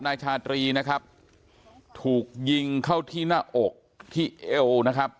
นายชาตรีนะครับถูกยิงเข้าที่หน้าอกที่เอวนะครับ